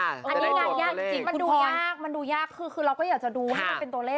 อันนี้งานยากจริงมันดูยากมันดูยากคือเราก็อยากจะดูให้มันเป็นตัวเลข